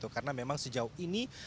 karena memang sejauh ini